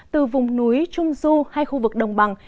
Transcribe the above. từ vùng núi trung du hay khu vực đồng bằng